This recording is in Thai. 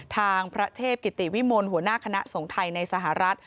ทางพระเทพกิติวิมลหัวหน้าคณะสงฆ์ไทยในสหรัฐ